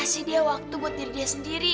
kasih dia waktu buat diri dia sendiri